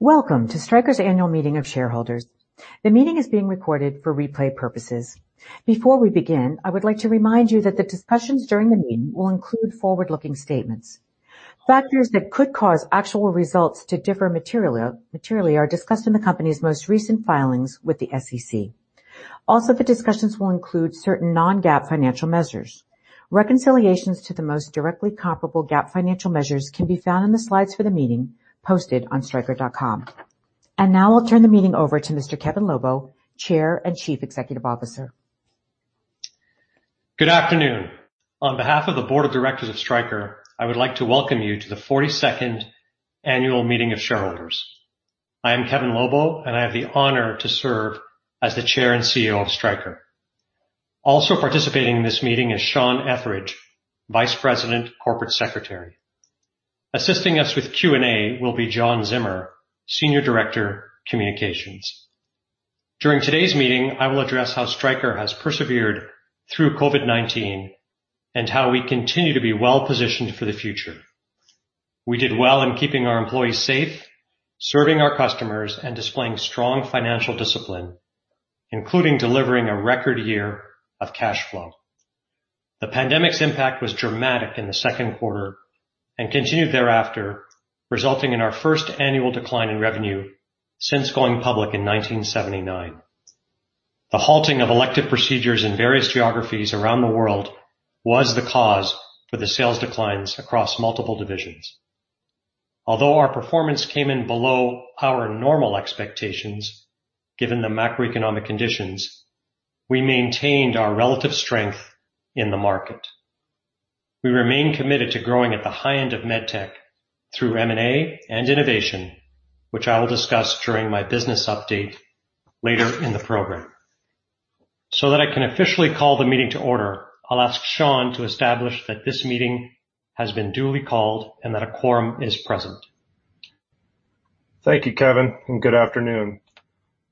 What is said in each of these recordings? Welcome to Stryker's Annual Meeting of Shareholders. The meeting is being recorded for replay purposes. Before we begin, I would like to remind you that the discussions during the meeting will include forward-looking statements. Factors that could cause actual results to differ materially are discussed in the company's most recent filings with the SEC. Also, the discussions will include certain non-GAAP financial measures. Reconciliations to the most directly comparable GAAP financial measures can be found in the slides for the meeting posted on stryker.com. Now I'll turn the meeting over to Mr. Kevin Lobo, Chair and Chief Executive Officer. Good afternoon. On behalf of the Board of Directors of Stryker, I would like to welcome you to the 42nd Annual Meeting of Shareholders. I am Kevin A. Lobo, and I have the honor to serve as the Chair and CEO of Stryker. Also participating in this meeting is Sean C. Etheridge, Vice President, Corporate Secretary. Assisting us with Q&A will be John Zimmer, Senior Director, Communications. During today's meeting, I will address how Stryker has persevered through COVID-19 and how we continue to be well-positioned for the future. We did well in keeping our employees safe, serving our customers, and displaying strong financial discipline, including delivering a record year of cash flow. The pandemic's impact was dramatic in Q2 and continued thereafter, resulting in our first annual decline in revenue since going public in 1979. The halting of elective procedures in various geographies around the world was the cause for the sales declines across multiple divisions. Although our performance came in below our normal expectations, given the macroeconomic conditions, we maintained our relative strength in the market. We remain committed to growing at the high end of MedTech through M&A and innovation, which I will discuss during my business update later in the program. That I can officially call the meeting to order, I'll ask Sean to establish that this meeting has been duly called and that a quorum is present. Thank you, Kevin, and good afternoon.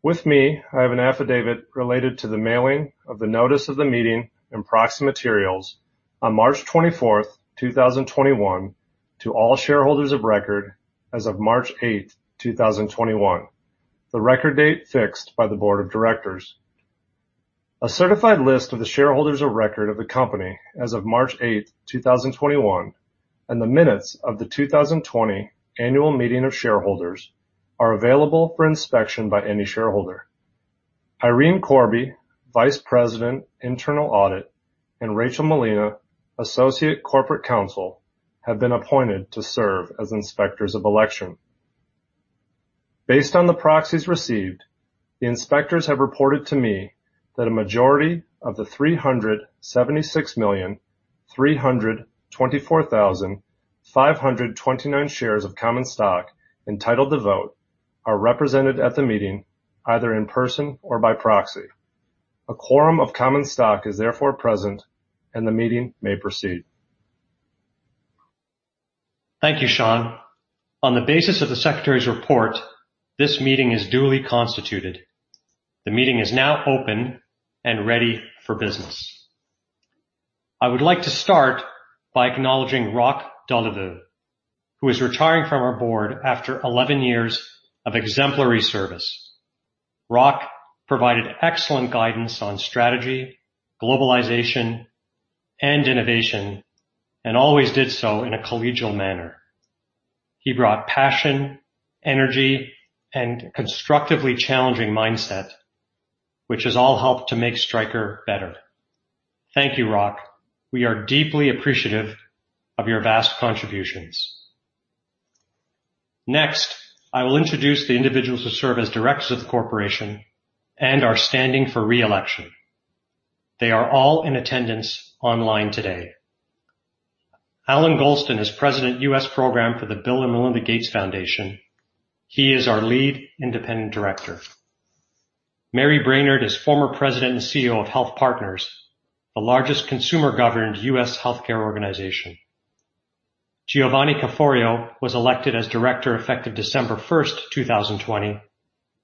With me, I have an affidavit related to the mailing of the notice of the meeting and proxy materials on March 24th, 2021, to all shareholders of record as of March 8th, 2021, the record date fixed by the board of directors. A certified list of the shareholders of record of the company as of March 8th, 2021, and the minutes of the 2020 Annual Meeting of Shareholders are available for inspection by any shareholder. Irene B. Corbe, Vice President, Internal Audit, and Rachel Molina, Associate Corporate Counsel, have been appointed to serve as inspectors of election. Based on the proxies received, the inspectors have reported to me that a majority of the 376,324,529 shares of common stock entitled to vote are represented at the meeting, either in person or by proxy. A quorum of common stock is therefore present, and the meeting may proceed. Thank you, Sean. On the basis of the secretary's report, this meeting is duly constituted. The meeting is now open and ready for business. I would like to start by acknowledging Roch Doliveux, who is retiring from our board after 11 years of exemplary service. Roch provided excellent guidance on strategy, globalization, and innovation, always did so in a collegial manner. He brought passion, energy, and constructively challenging mindset, which has all helped to make Stryker better. Thank you, Roch. We are deeply appreciative of your vast contributions. Next, I will introduce the individuals who serve as directors of the corporation and are standing for re-election. They are all in attendance online today. Allan Golston is President, U.S. Program for the Bill & Melinda Gates Foundation. He is our lead independent director. Mary Brainerd is former President and CEO of HealthPartners, the largest consumer-governed U.S. healthcare organization. Giovanni Caforio was elected as Director effective December 1st, 2020.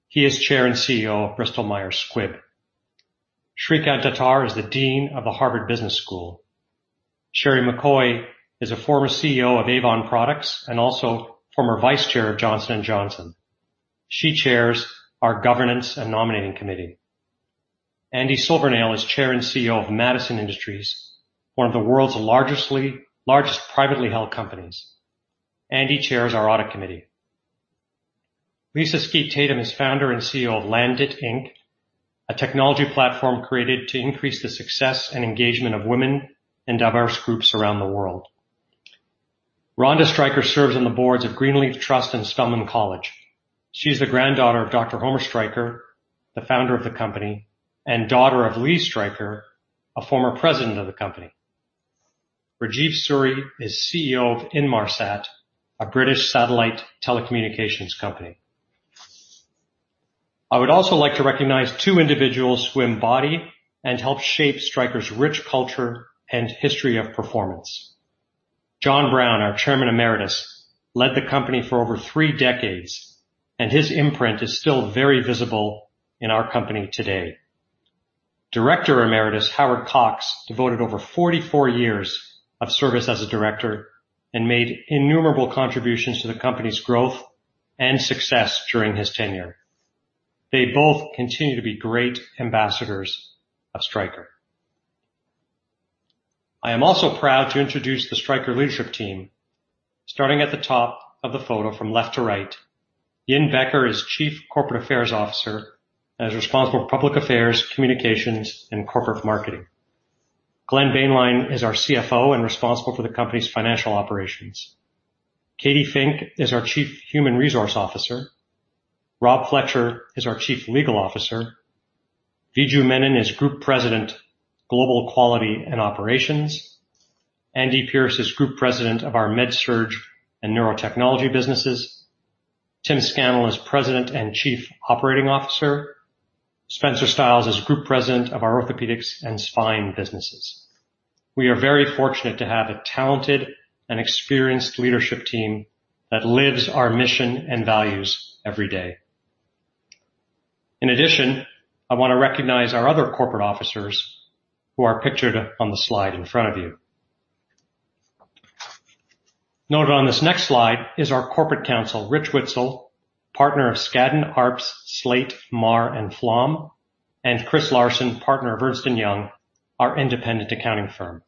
He is Chair and CEO of Bristol Myers Squibb. Srikant Datar is the Dean of the Harvard Business School. Sheri McCoy is a former CEO of Avon Products and also former Vice Chair of Johnson & Johnson. She chairs our Governance and Nominating Committee. Andy Silvernail is Chair and CEO of Madison Industries, one of the world's largest privately held companies. Andy chairs our Audit Committee. Lisa Skeete Tatum is Founder and CEO of Landit Inc, a technology platform created to increase the success and engagement of women and diverse groups around the world. Ronda Stryker serves on the boards of Greenleaf Trust and Spelman College. She's the granddaughter of Dr. Homer Stryker, the founder of the company, and daughter of Lee Stryker, a former president of the company. Rajeev Suri is CEO of Inmarsat, a British satellite telecommunications company. I would also like to recognize two individuals who embody and helped shape Stryker's rich culture and history of performance. John Brown, our Chairman Emeritus, led the company for over three decades and his imprint is still very visible in our company today. Director Emeritus Howard Cox devoted over 44 years of service as a director and made innumerable contributions to the company's growth and success during his tenure. They both continue to be great ambassadors of Stryker. I am also proud to introduce the Stryker leadership team. Starting at the top of the photo from left to right, Yin Becker is Chief Corporate Affairs Officer, and is responsible for public affairs, communications, and corporate marketing. Glenn Boehnlein is our CFO and responsible for the company's financial operations. M. Kathryn Fink is our Chief Human Resource Officer. Rob Fletcher is our Chief Legal Officer. Viju Menon is Group President, Global Quality and Operations. Andy Pierce is Group President of our MedSurg and Neurotechnology businesses. Tim Scannell is President and Chief Operating Officer. Spencer Stiles is Group President of our Orthopaedics and Spine businesses. We are very fortunate to have a talented and experienced leadership team that lives our mission and values every day. In addition, I want to recognize our other corporate officers who are pictured on the slide in front of you. Noted on this next slide is our corporate counsel, Rich Witzel, Partner of Skadden, Arps, Slate, Meagher & Flom, and Chris Larson, Partner of Ernst & Young, our independent accounting firm.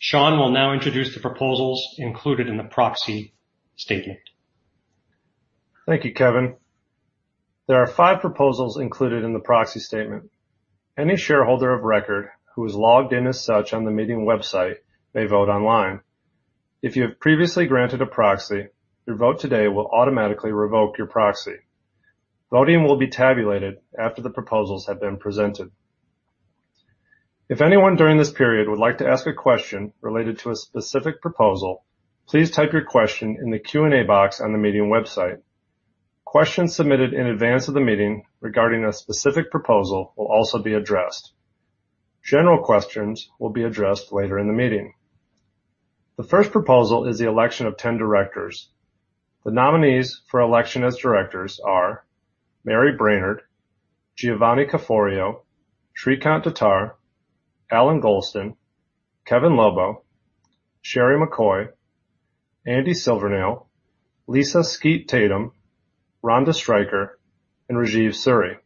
Sean will now introduce the proposals included in the proxy statement. Thank you, Kevin. There are five proposals included in the proxy statement. Any shareholder of record who is logged in as such on the meeting website may vote online. If you have previously granted a proxy, your vote today will automatically revoke your proxy. Voting will be tabulated after the proposals have been presented. If anyone during this period would like to ask a question related to a specific proposal, please type your question in the Q&A box on the meeting website. Questions submitted in advance of the meeting regarding a specific proposal will also be addressed. General questions will be addressed later in the meeting. The first proposal is the election of 10 directors. The nominees for election as directors are Mary Brainerd, Giovanni Caforio, Srikant Datar, Allan Golston, Kevin Lobo, Sheri McCoy, Andy Silvernail, Lisa Skeete Tatum, Ronda Stryker, and Rajeev Suri.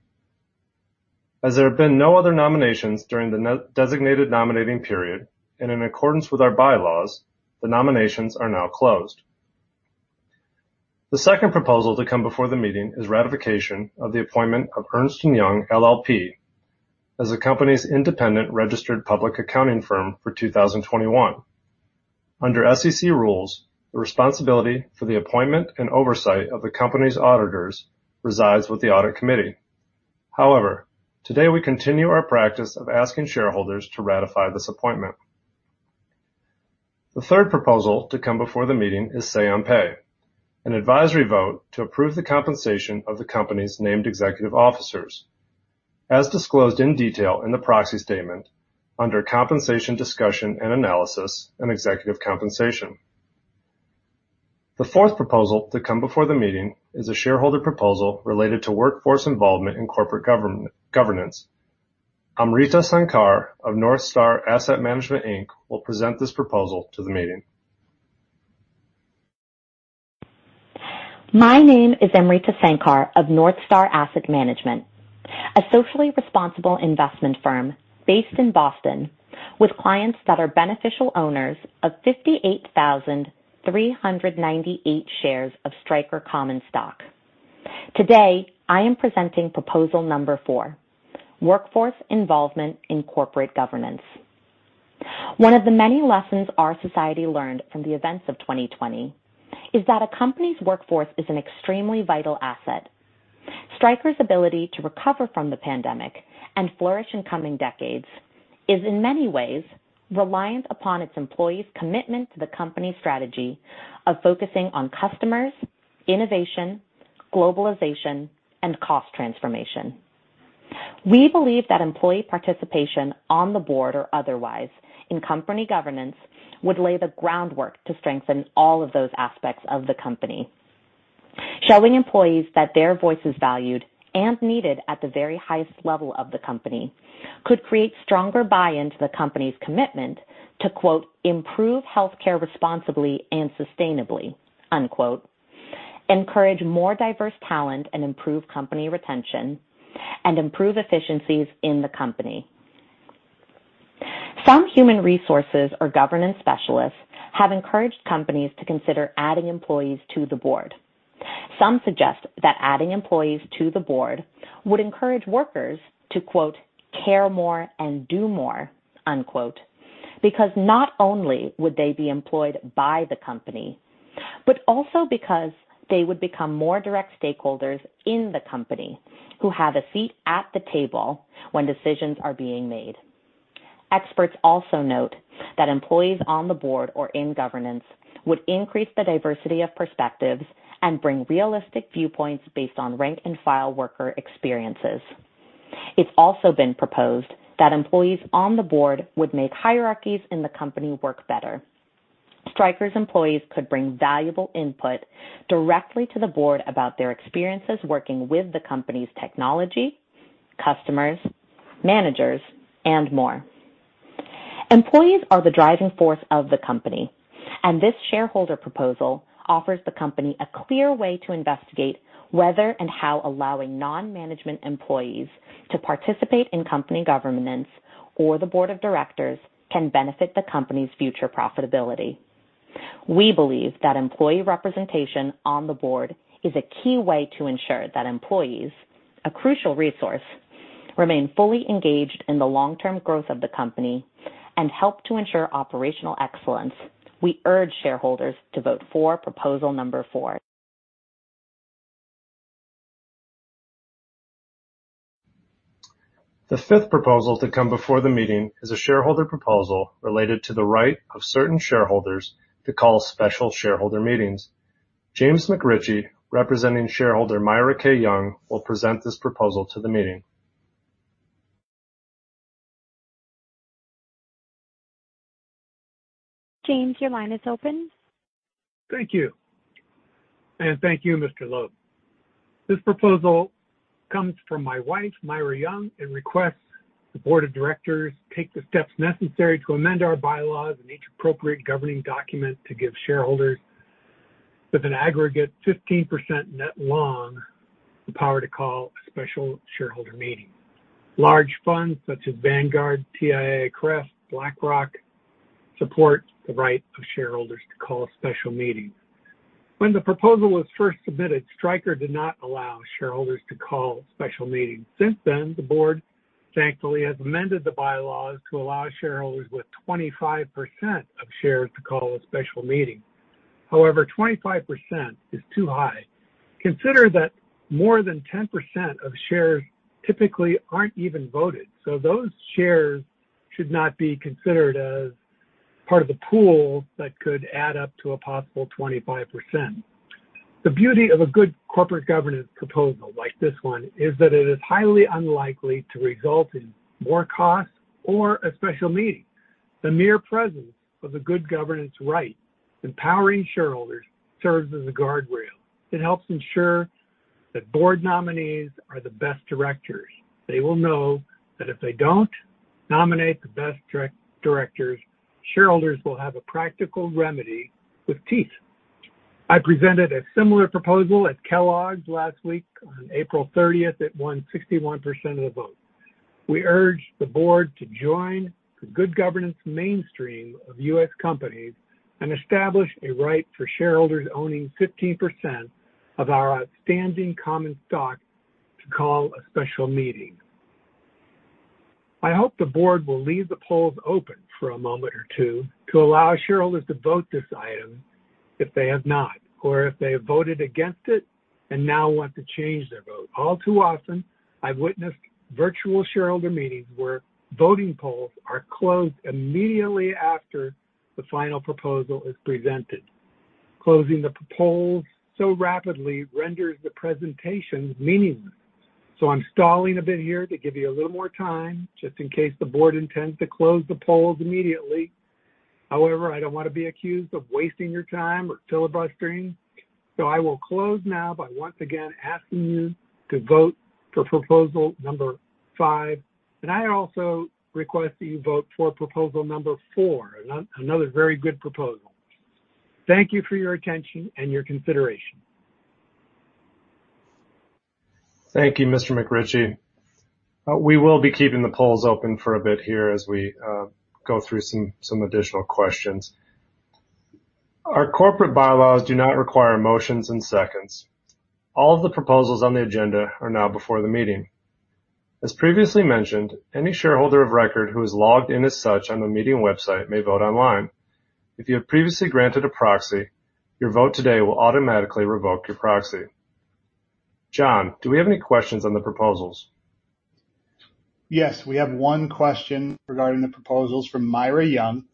As there have been no other nominations during the designated nominating period, and in accordance with our bylaws, the nominations are now closed. The second proposal to come before the meeting is ratification of the appointment of Ernst & Young LLP as the company's independent registered public accounting firm for 2021. Under SEC rules, the responsibility for the appointment and oversight of the company's auditors resides with the audit committee. Today we continue our practice of asking shareholders to ratify this appointment. The third proposal to come before the meeting is say-on-pay, an advisory vote to approve the compensation of the company's named executive officers, as disclosed in detail in the proxy statement under compensation discussion and analysis and executive compensation. The fourth proposal to come before the meeting is a shareholder proposal related to workforce involvement in corporate governance. Amrita Sankar of NorthStar Asset Management, Inc. will present this proposal to the meeting. My name is Amrita Sankar of NorthStar Asset Management, a socially responsible investment firm based in Boston with clients that are beneficial owners of 58,398 shares of Stryker common stock. Today, I am presenting proposal number four, workforce involvement in corporate governance. One of the many lessons our society learned from the events of 2020 is that a company's workforce is an extremely vital asset. Stryker's ability to recover from the pandemic and flourish in coming decades is in many ways reliant upon its employees' commitment to the company's strategy of focusing on customers, innovation, globalization, and cost transformation. We believe that employee participation on the board or otherwise in company governance would lay the groundwork to strengthen all of those aspects of the company. Showing employees that their voice is valued and needed at the very highest level of the company could create stronger buy-in to the company's commitment to "improve healthcare responsibly and sustainably." Encourage more diverse talent and improve company retention and improve efficiencies in the company. Some human resources or governance specialists have encouraged companies to consider adding employees to the board. Some suggest that adding employees to the board would encourage workers to "care more and do more." Not only would they be employed by the company, but also because they would become more direct stakeholders in the company who have a seat at the table when decisions are being made. Experts also note that employees on the board or in governance would increase the diversity of perspectives and bring realistic viewpoints based on rank and file worker experiences. It's also been proposed that employees on the board would make hierarchies in the company work better. Stryker's employees could bring valuable input directly to the board about their experiences working with the company's technology, customers, managers, and more. This shareholder proposal offers the company a clear way to investigate whether and how allowing non-management employees to participate in company governance or the board of directors can benefit the company's future profitability. We believe that employee representation on the board is a key way to ensure that employees, a crucial resource, remain fully engaged in the long-term growth of the company and help to ensure operational excellence. We urge shareholders to vote for proposal number 4. The fifth proposal to come before the meeting is a shareholder proposal related to the right of certain shareholders to call special shareholder meetings. James McRitchie, representing shareholder Myra K. Young, will present this proposal to the meeting. James, your line is open. Thank you. Thank you, Mr. Lobo. This proposal comes from my wife, Myra Young, and requests the board of directors take the steps necessary to amend our bylaws and each appropriate governing document to give shareholders with an aggregate 15% net long the power to call a special shareholder meeting. Large funds such as Vanguard, TIAA-CREF, BlackRock, support the right of shareholders to call a special meeting. When the proposal was first submitted, Stryker did not allow shareholders to call special meetings. Since then, the board, thankfully, has amended the bylaws to allow shareholders with 25% of shares to call a special meeting. 25% is too high. Consider that more than 10% of shares typically aren't even voted, so those shares should not be considered as part of the pool that could add up to a possible 25%. The beauty of a good corporate governance proposal like this one is that it is highly unlikely to result in more costs or a special meeting. The mere presence of the good governance right empowering shareholders serves as a guardrail. It helps ensure that board nominees are the best directors. They will know that if they don't nominate the best directors, shareholders will have a practical remedy with teeth. I presented a similar proposal at Kellogg's last week on April 30th. It won 61% of the vote. We urge the board to join the good governance mainstream of U.S. companies and establish a right for shareholders owning 15% of our outstanding common stock to call a special meeting. I hope the board will leave the polls open for a moment or two to allow shareholders to vote this item if they have not, or if they have voted against it and now want to change their vote. All too often, I've witnessed virtual shareholder meetings where voting polls are closed immediately after the final proposal is presented. Closing the polls so rapidly renders the presentations meaningless. I'm stalling a bit here to give you a little more time, just in case the board intends to close the polls immediately. However, I don't want to be accused of wasting your time or filibustering, so I will close now by once again asking you to vote for proposal number five. I also request that you vote for proposal number 4, another very good proposal. Thank you for your attention and your consideration. Thank you, Mr. McRitchie. We will be keeping the polls open for a bit here as we go through some additional questions. Our corporate bylaws do not require motions and seconds. All of the proposals on the agenda are now before the meeting. As previously mentioned, any shareholder of record who is logged in as such on the meeting website may vote online. If you have previously granted a proxy, your vote today will automatically revoke your proxy. John, do we have any questions on the proposals? Yes. We have one question regarding the proposals from Myra Young.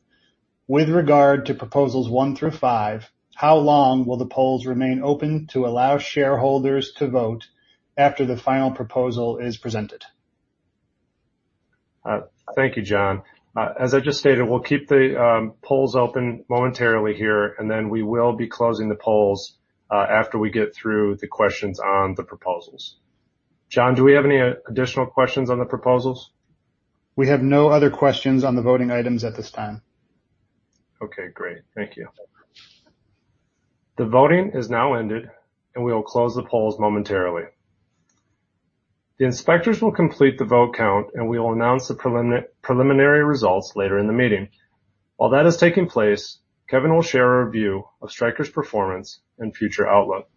With regard to proposals one through five, how long will the polls remain open to allow shareholders to vote after the final proposal is presented? Thank you, John. As I just stated, we'll keep the polls open momentarily here, and then we will be closing the polls after we get through the questions on the proposals. John, do we have any additional questions on the proposals? We have no other questions on the voting items at this time. Okay, great. Thank you. The voting is now ended. We will close the polls momentarily. The inspectors will complete the vote count. We will announce the preliminary results later in the meeting. While that is taking place, Kevin will share a review of Stryker's performance and future outlook.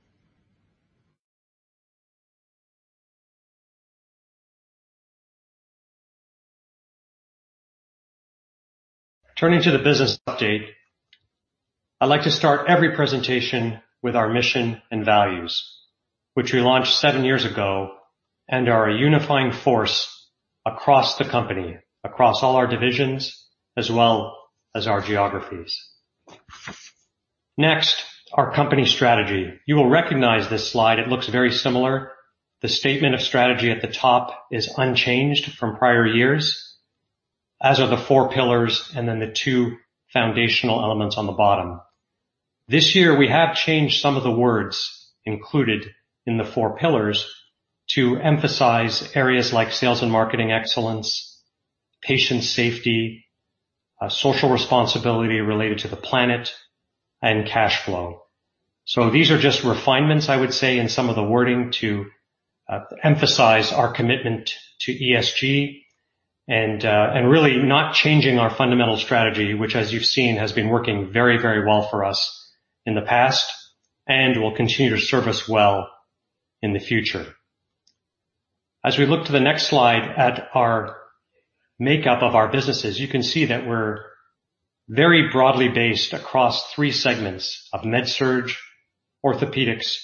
Turning to the business update, I'd like to start every presentation with our mission and values, which we launched seven years ago and are a unifying force across the company, across all our divisions as well as our geographies. Our company strategy. You will recognize this slide. It looks very similar. The statement of strategy at the top is unchanged from prior years, as are the four pillars, and then the two foundational elements on the bottom. This year we have changed some of the words included in the four pillars to emphasize areas like sales and marketing excellence, patient safety, social responsibility related to the planet, and cash flow. These are just refinements, I would say, in some of the wording to emphasize our commitment to ESG and really not changing our fundamental strategy, which as you've seen has been working very well for us in the past and will continue to serve us well in the future. As we look to the next slide at our makeup of our businesses, you can see that we're very broadly based across three segments of MedSurg, Orthopaedics,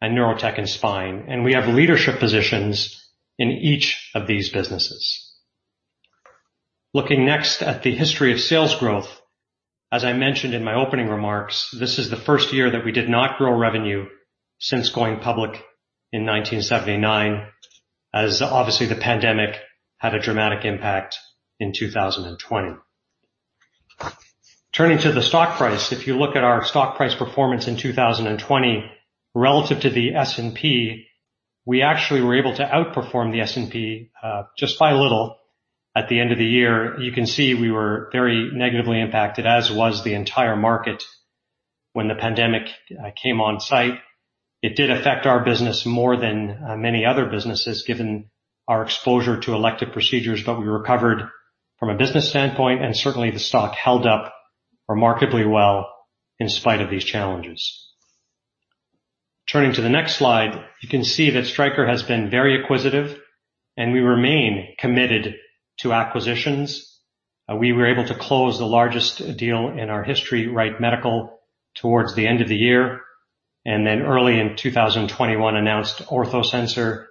and Neurotechnology and Spine, and we have leadership positions in each of these businesses. Looking next at the history of sales growth. As I mentioned in my opening remarks, this is the first year that we did not grow revenue since going public in 1979, as obviously the pandemic had a dramatic impact in 2020. Turning to the stock price. If you look at our stock price performance in 2020 relative to the S&P, we actually were able to outperform the S&P, just by little at the end of the year. You can see we were very negatively impacted, as was the entire market when the pandemic came on site. It did affect our business more than many other businesses, given our exposure to elective procedures, but we recovered from a business standpoint, and certainly the stock held up remarkably well in spite of these challenges. Turning to the next slide, you can see that Stryker has been very acquisitive and we remain committed to acquisitions. We were able to close the largest deal in our history, Wright Medical, towards the end of the year. Early in 2021, announced OrthoSensor,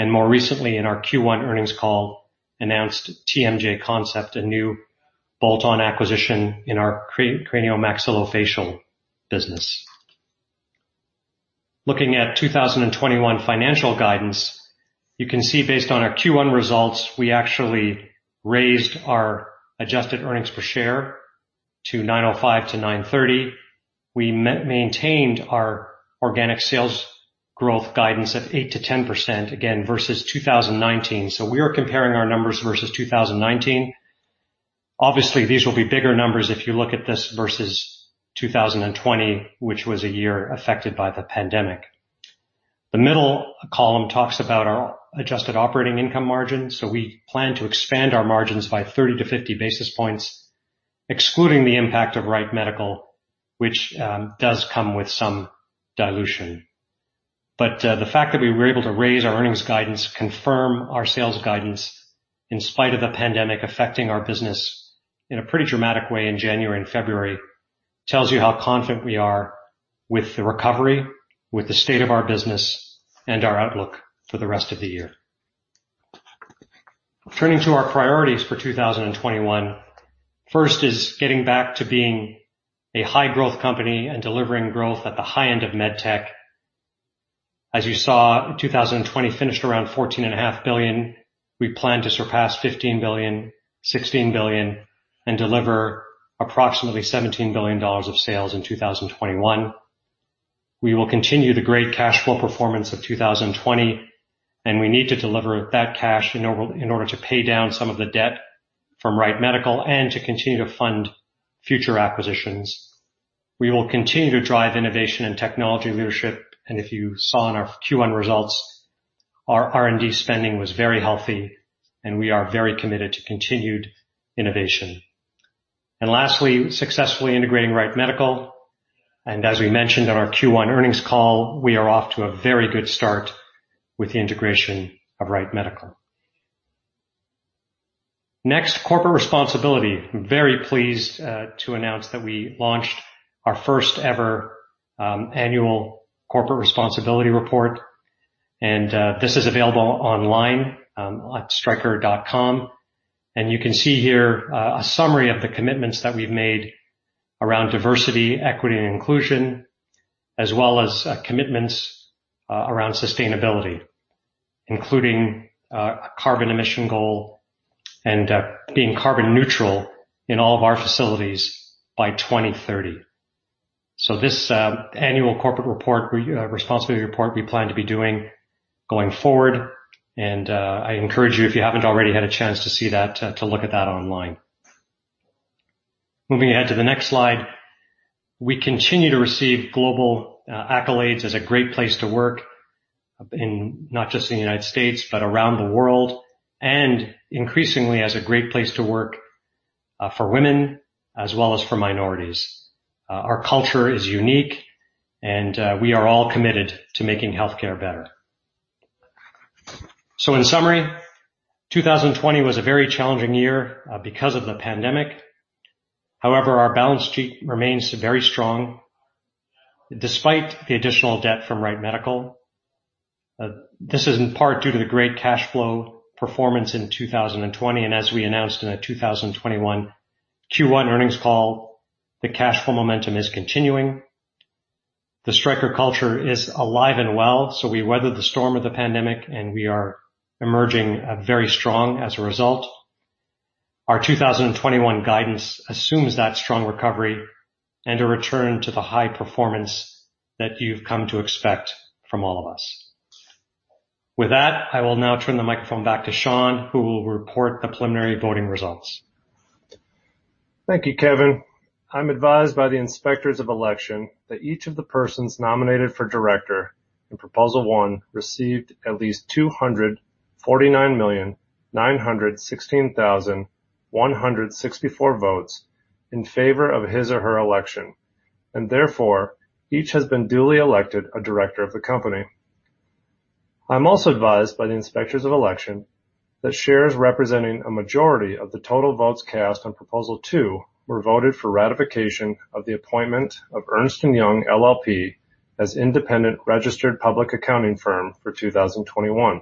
and more recently in our Q1 earnings call, announced TMJ Concepts, a new bolt-on acquisition in our craniomaxillofacial business. Looking at 2021 financial guidance. You can see based on our Q1 results, we actually raised our adjusted earnings per share to $9.05 to $9.30. We maintained our organic sales growth guidance of 8%-10%, again versus 2019. We are comparing our numbers versus 2019. These will be bigger numbers if you look at this versus 2020, which was a year affected by the pandemic. The middle column talks about our adjusted operating income margin. We plan to expand our margins by 30 to 50 basis points, excluding the impact of Wright Medical, which does come with some dilution. The fact that we were able to raise our earnings guidance, confirm our sales guidance in spite of the pandemic affecting our business in a pretty dramatic way in January and February tells you how confident we are with the recovery, with the state of our business, and our outlook for the rest of the year. Turning to our priorities for 2021. First is getting back to being a high-growth company and delivering growth at the high end of MedTech. As you saw, 2020 finished around $14.5 billion. We plan to surpass $15 billion, $16 billion, and deliver approximately $17 billion of sales in 2021. We will continue the great cash flow performance of 2020, and we need to deliver that cash in order to pay down some of the debt from Wright Medical and to continue to fund future acquisitions. We will continue to drive innovation and technology leadership, and if you saw in our Q1 results, our R&D spending was very healthy, and we are very committed to continued innovation. Lastly, successfully integrating Wright Medical. As we mentioned on our Q1 earnings call, we are off to a very good start with the integration of Wright Medical. Next, corporate responsibility. Very pleased to announce that we launched our first ever annual corporate responsibility report, and this is available online at stryker.com. You can see here a summary of the commitments that we've made around diversity, equity, and inclusion, as well as commitments around sustainability, including a carbon emission goal and being carbon neutral in all of our facilities by 2030. This annual corporate responsibility report we plan to be doing going forward. I encourage you, if you haven't already had a chance to see that, to look at that online. Moving ahead to the next slide. We continue to receive global accolades as a great place to work in not just the U.S., but around the world. Increasingly as a great place to work for women as well as for minorities. Our culture is unique, and we are all committed to making healthcare better. In summary, 2020 was a very challenging year because of the pandemic. However, our balance sheet remains very strong despite the additional debt from Wright Medical. This is in part due to the great cash flow performance in 2020. As we announced in the 2021 Q1 earnings call, the cash flow momentum is continuing. The Stryker culture is alive and well. We weathered the storm of the pandemic, and we are emerging very strong as a result. Our 2021 guidance assumes that strong recovery and a return to the high performance that you've come to expect from all of us. With that, I will now turn the microphone back to Sean, who will report the preliminary voting results. Thank you, Kevin. I'm advised by the Inspectors of Election that each of the persons nominated for director in Proposal One received at least 249,916,164 votes in favor of his or her election, and therefore, each has been duly elected a director of the company. I'm also advised by the Inspectors of Election that shares representing a majority of the total votes cast on Proposal Two were voted for ratification of the appointment of Ernst & Young LLP as independent registered public accounting firm for 2021.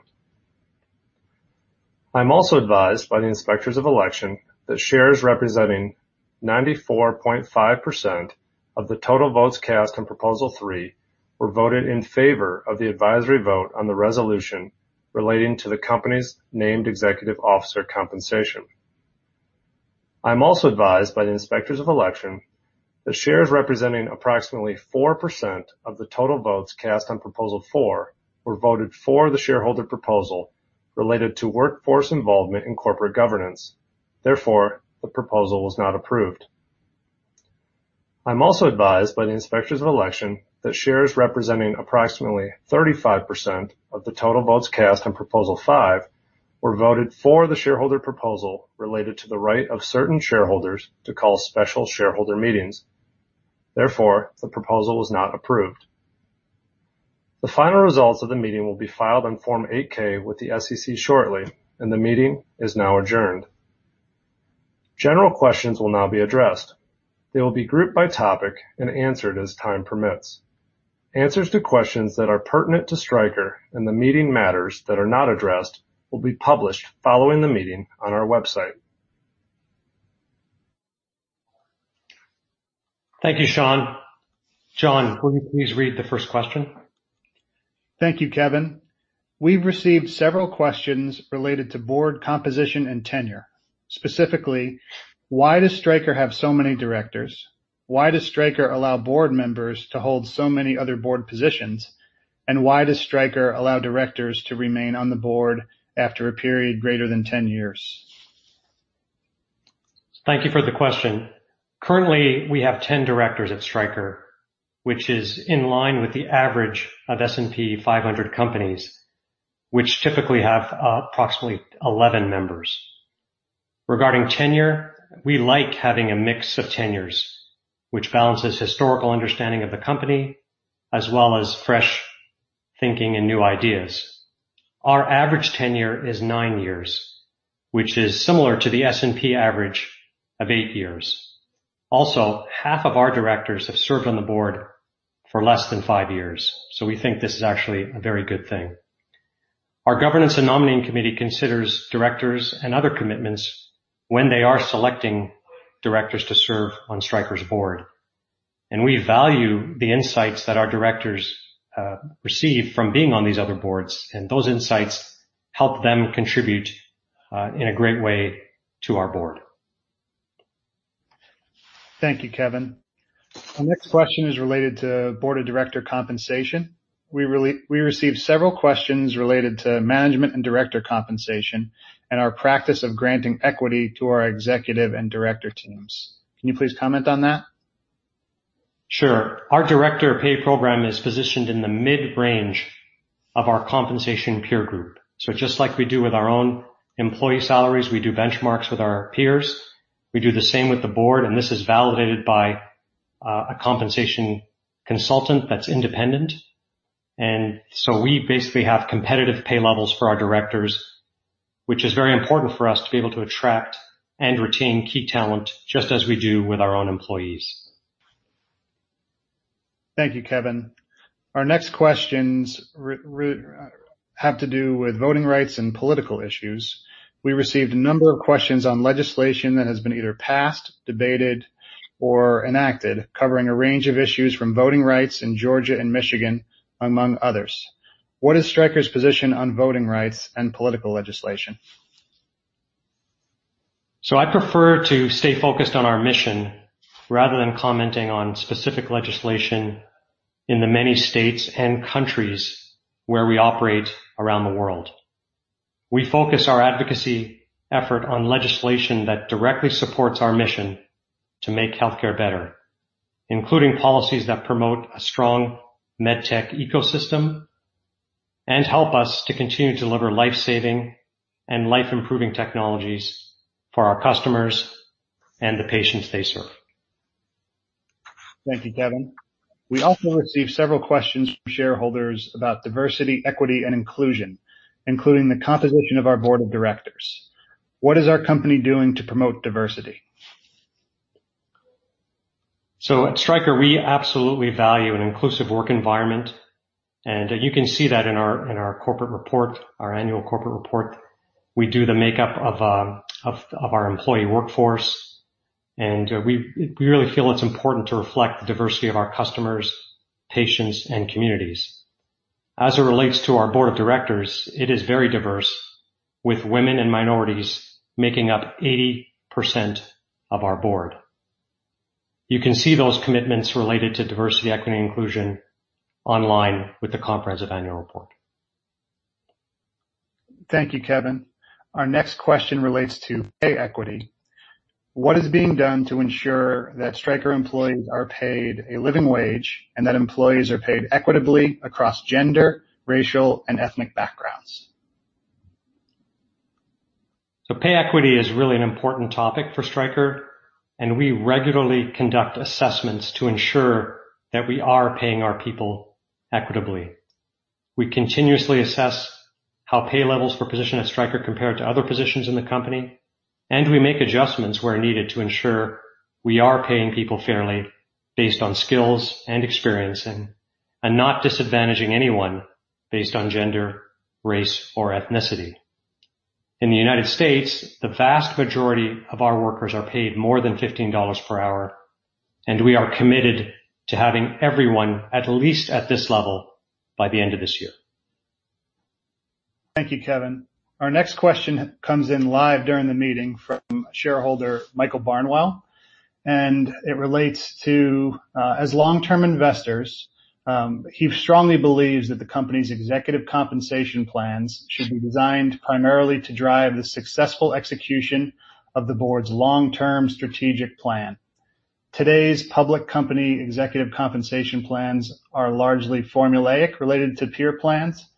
I'm also advised by the Inspectors of Election that shares representing 94.5% of the total votes cast on Proposal Three were voted in favor of the advisory vote on the resolution relating to the company's named executive officer compensation. I'm also advised by the Inspectors of Election that shares representing approximately 4% of the total votes cast on Proposal Four were voted for the shareholder proposal related to workforce involvement in corporate governance. The proposal was not approved. I'm also advised by the Inspectors of Election that shares representing approximately 35% of the total votes cast on Proposal Five were voted for the shareholder proposal related to the right of certain shareholders to call special shareholder meetings. The proposal was not approved. The final results of the meeting will be filed on Form 8-K with the SEC shortly. The meeting is now adjourned. General questions will now be addressed. They will be grouped by topic and answered as time permits. Answers to questions that are pertinent to Stryker and the meeting matters that are not addressed will be published following the meeting on our website. Thank you, Sean. John, will you please read the first question? Thank you, Kevin. We've received several questions related to board composition and tenure. Specifically, why does Stryker have so many directors? Why does Stryker allow board members to hold so many other board positions? Why does Stryker allow directors to remain on the board after a period greater than 10 years? Thank you for the question. Currently, we have 10 directors at Stryker, which is in line with the average of S&P 500 companies, which typically have approximately 11 members. Regarding tenure, we like having a mix of tenures, which balances historical understanding of the company, as well as fresh thinking and new ideas. Our average tenure is nine years, which is similar to the S&P average of eight years. Half of our directors have served on the board for less than five years, we think this is actually a very good thing. Our governance and nominating committee considers directors and other commitments when they are selecting directors to serve on Stryker's board. We value the insights that our directors receive from being on these other boards, and those insights help them contribute in a great way to our board. Thank you, Kevin. The next question is related to Board of Director compensation. We received several questions related to management and director compensation and our practice of granting equity to our executive and director teams. Can you please comment on that? Sure. Our director pay program is positioned in the mid-range of our compensation peer group. Just like we do with our own employee salaries, we do benchmarks with our peers. We do the same with the board, and this is validated by a compensation consultant that's independent. We basically have competitive pay levels for our directors, which is very important for us to be able to attract and retain key talent, just as we do with our own employees. Thank you, Kevin. Our next questions have to do with voting rights and political issues. We received a number of questions on legislation that has been either passed, debated, or enacted, covering a range of issues from voting rights in Georgia and Michigan, among others. What is Stryker's position on voting rights and political legislation? I prefer to stay focused on our mission rather than commenting on specific legislation in the many states and countries where we operate around the world. We focus our advocacy effort on legislation that directly supports our mission to make healthcare better, including policies that promote a strong MedTech ecosystem and help us to continue to deliver life-saving and life-improving technologies for our customers and the patients they serve. Thank you, Kevin. We also received several questions from shareholders about diversity, equity, and inclusion, including the composition of our board of directors. What is our company doing to promote diversity? At Stryker, we absolutely value an inclusive work environment, and you can see that in our corporate report, our annual corporate report. We do the makeup of our employee workforce, and we really feel it's important to reflect the diversity of our customers, patients, and communities. As it relates to our board of directors, it is very diverse, with women and minorities making up 80% of our board. You can see those commitments related to diversity, equity, and inclusion online with the comprehensive annual report. Thank you, Kevin. Our next question relates to pay equity. What is being done to ensure that Stryker employees are paid a living wage, and that employees are paid equitably across gender, racial, and ethnic backgrounds? Pay equity is really an important topic for Stryker, and we regularly conduct assessments to ensure that we are paying our people equitably. We continuously assess how pay levels for position at Stryker compare to other positions in the company, and we make adjustments where needed to ensure we are paying people fairly based on skills and experience, and not disadvantaging anyone based on gender, race, or ethnicity. In the U.S., the vast majority of our workers are paid more than $15 per hour, and we are committed to having everyone at least at this level by the end of this year. Thank you, Kevin. Our next question comes in live during the meeting from shareholder Michael Barnwell, and it relates to, as long-term investors, he strongly believes that the company's executive compensation plans should be designed primarily to drive the successful execution of the board's long-term strategic plan. Today's public company executive compensation plans are largely formulaic, related to peer plans.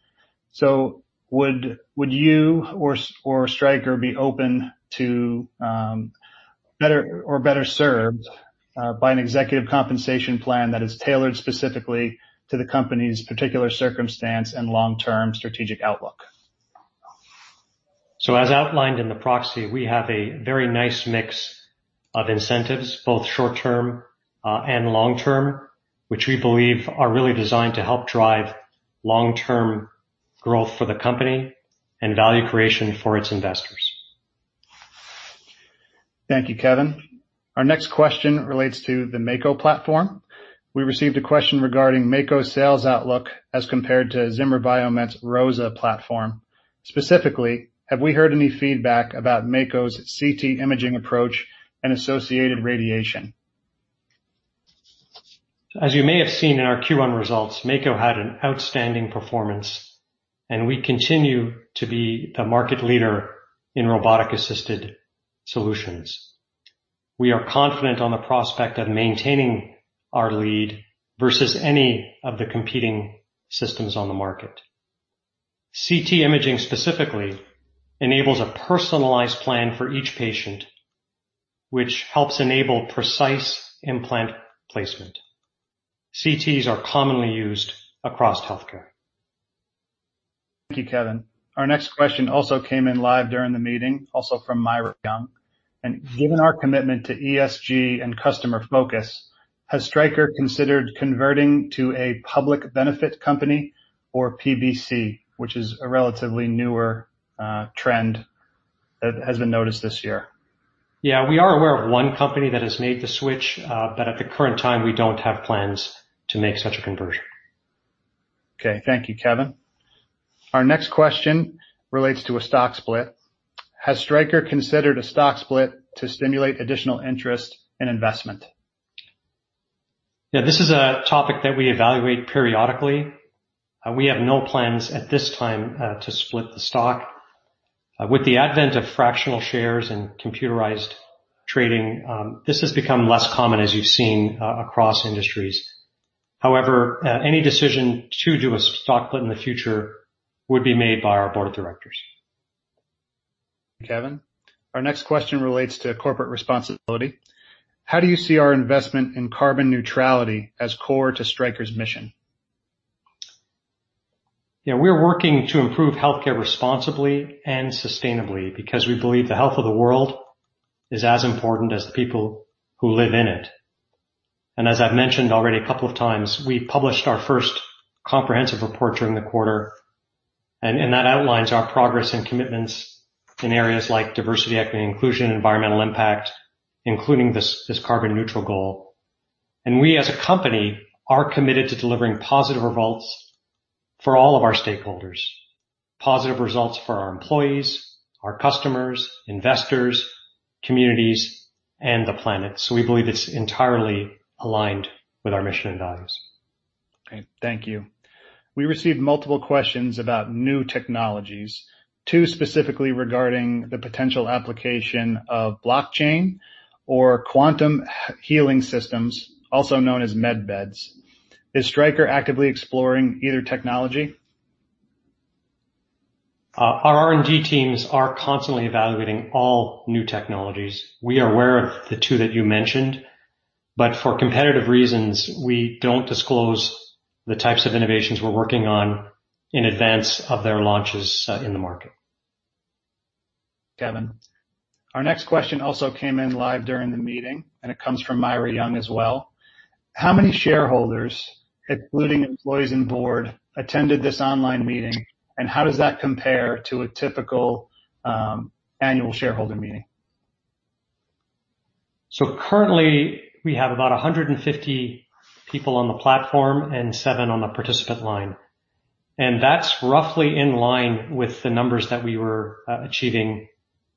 Would you or Stryker be open to or better served by an executive compensation plan that is tailored specifically to the company's particular circumstance and long-term strategic outlook? As outlined in the proxy, we have a very nice mix of incentives, both short-term and long-term, which we believe are really designed to help drive long-term growth for the company and value creation for its investors. Thank you, Kevin. Our next question relates to the Mako platform. We received a question regarding Mako's sales outlook as compared to Zimmer Biomet's ROSA platform. Specifically, have we heard any feedback about Mako's CT imaging approach and associated radiation? As you may have seen in our Q1 results, Mako had an outstanding performance, and we continue to be the market leader in robotic-assisted solutions. We are confident on the prospect of maintaining our lead versus any of the competing systems on the market. CT imaging specifically enables a personalized plan for each patient, which helps enable precise implant placement. CTs are commonly used across healthcare. Thank you, Kevin. Our next question also came in live during the meeting, also from Myra Young. Given our commitment to ESG and customer focus, has Stryker considered converting to a public benefit company or PBC, which is a relatively newer trend that has been noticed this year? Yes. We are aware of one company that has made the switch, but at the current time, we don't have plans to make such a conversion. Okay. Thank you, Kevin. Our next question relates to a stock split. Has Stryker considered a stock split to stimulate additional interest and investment? This is a topic that we evaluate periodically. We have no plans at this time to split the stock. With the advent of fractional shares and computerized trading, this has become less common as you've seen across industries. Any decision to do a stock split in the future would be made by our board of directors. Kevin. Our next question relates to corporate responsibility. How do you see our investment in carbon neutrality as core to Stryker's mission? Yes. We're working to improve healthcare responsibly and sustainably because we believe the health of the world is as important as the people who live in it. As I've mentioned already a couple of times, we published our first comprehensive report during the quarter, and that outlines our progress and commitments in areas like diversity, equity, and inclusion, environmental impact, including this carbon neutral goal. We, as a company, are committed to delivering positive results for all of our stakeholders, positive results for our employees, our customers, investors, communities, and the planet. We believe it's entirely aligned with our mission and values. Okay, thank you. We received multiple questions about new technologies. Two specifically regarding the potential application of blockchain or quantum healing systems, also known as med beds. Is Stryker actively exploring either technology? Our R&D teams are constantly evaluating all new technologies. We are aware of the two that you mentioned, for competitive reasons, we don't disclose the types of innovations we're working on in advance of their launches in the market. Kevin, our next question also came in live during the meeting, and it comes from Myra Young as well. How many shareholders, including employees and board, attended this online meeting, and how does that compare to a typical annual shareholder meeting? Currently, we have about 150 people on the platform and seven on the participant line. That's roughly in line with the numbers that we were achieving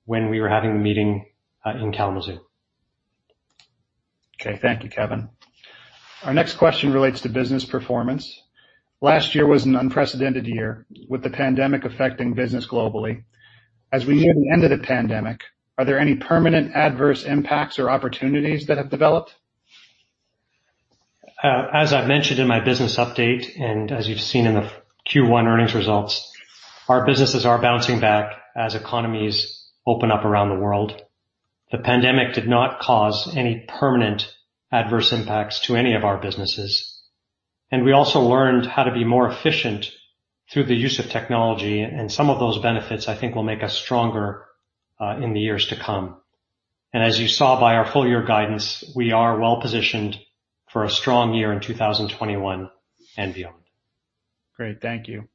when we were having the meeting in Kalamazoo. Okay. Thank you, Kevin. Our next question relates to business performance. Last year was an unprecedented year, with the pandemic affecting business globally. As we near the end of the pandemic, are there any permanent adverse impacts or opportunities that have developed? As I've mentioned in my business update, as you've seen in the Q1 earnings results, our businesses are bouncing back as economies open up around the world. The pandemic did not cause any permanent adverse impacts to any of our businesses. We also learned how to be more efficient through the use of technology, and some of those benefits, I think, will make us stronger in the years to come. As you saw by our full year guidance, we are well-positioned for a strong year in 2021 and beyond. Great. Thank you.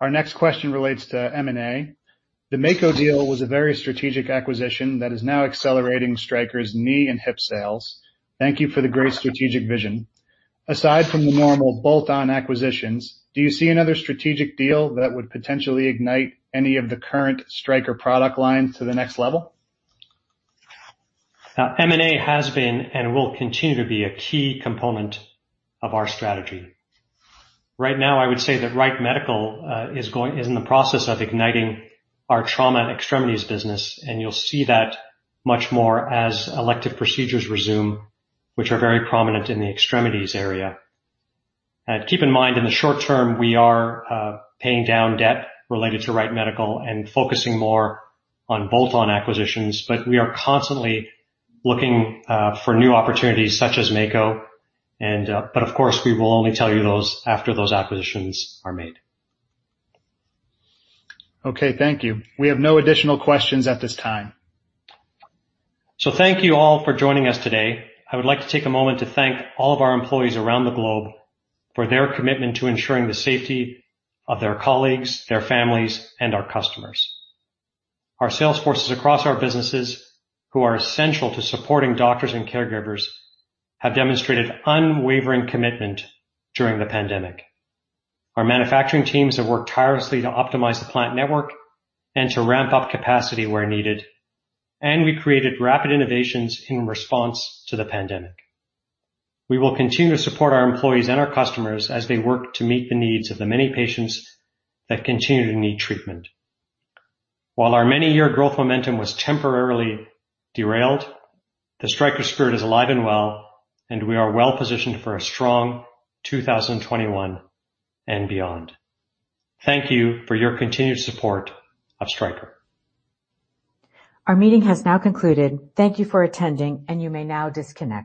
Our next question relates to M&A. The Mako deal was a very strategic acquisition that is now accelerating Stryker's knee and hip sales. Thank you for the great strategic vision. Aside from the normal bolt-on acquisitions, do you see another strategic deal that would potentially ignite any of the current Stryker product lines to the next level? M&A has been and will continue to be a key component of our strategy. Right now, I would say that Wright Medical is in the process of igniting our trauma and extremities business, and you'll see that much more as elective procedures resume, which are very prominent in the extremities area. Keep in mind, in the short term, we are paying down debt related to Wright Medical and focusing more on bolt-on acquisitions. We are constantly looking for new opportunities such as Mako, but of course, we will only tell you those after those acquisitions are made. Okay. Thank you. We have no additional questions at this time. Thank you all for joining us today. I would like to take a moment to thank all of our employees around the globe for their commitment to ensuring the safety of their colleagues, their families, and our customers. Our sales forces across our businesses who are essential to supporting doctors and caregivers have demonstrated unwavering commitment during the pandemic. Our manufacturing teams have worked tirelessly to optimize the plant network and to ramp up capacity where needed, and we created rapid innovations in response to the pandemic. We will continue to support our employees and our customers as they work to meet the needs of the many patients that continue to need treatment. While our many year growth momentum was temporarily derailed, the Stryker spirit is alive and well, and we are well-positioned for a strong 2021 and beyond. Thank you for your continued support of Stryker. Our meeting has now concluded. Thank you for attending, and you may now disconnect.